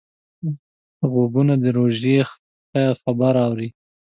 غوږونه د روژې خبر اوري